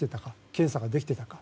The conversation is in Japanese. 検査ができていたか。